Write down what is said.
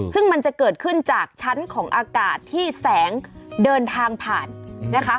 ซึ่งมันจะเกิดขึ้นจากชั้นของอากาศที่แสงเดินทางผ่านนะคะ